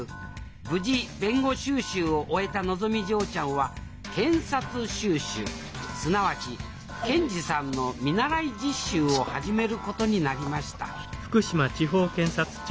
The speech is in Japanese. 無事弁護修習を終えたのぞみ嬢ちゃんは検察修習すなわち検事さんの見習い実習を始めることになりましたあ諸君！